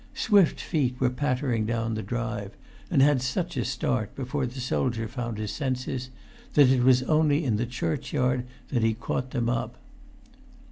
Swift feet were pattering down the drive; and had such a start, before the soldier found his senses, that it was only in the churchyard he caught them up.